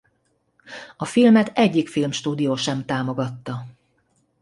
A filmet egyik filmstúdió sem támogatta.